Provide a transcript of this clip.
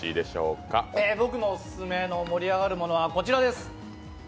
僕のオススメの盛り上がるものはこちらです。